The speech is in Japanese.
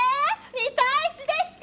２対１ですか？